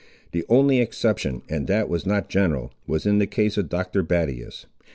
The only exception, and that was not general, was in the case of Dr. Battius.